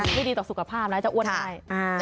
ไม่ดีต่อสุขภาพนะจะอ้วนได้